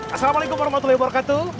assalamualaikum warahmatullahi wabarakatuh